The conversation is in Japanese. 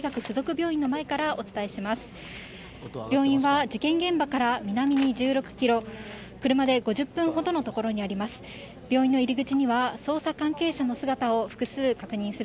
病院は事件現場から南に１６キロ、車で５０分ほどの所にあります。